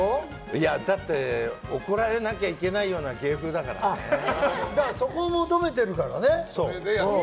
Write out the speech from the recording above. いや、だって怒られなきゃいけないようなそこを求めてるからね。